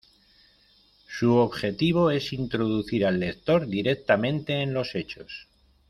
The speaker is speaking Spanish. Su objetivo es introducir al lector directamente en los hechos.